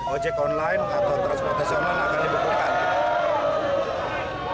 ojek online atau transportasi online akan dibukukan